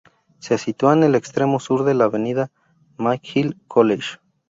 Se sitúa en el extremo sur de la avenida McGill College.